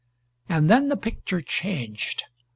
And then the picture changed.